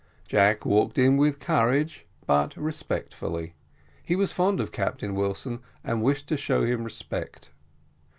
Jack walked in with courage, but respectfully. He was fond of Captain Wilson, and wished to show him respect.